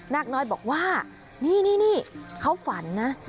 นางน้อยบอกว่านี่เค้าฝันนะฝัน